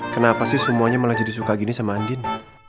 kenapa sih semuanya malah jadi suka gini sama andin